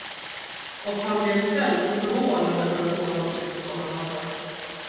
Och han blev själv förvånad över en sådan tur, som han hade.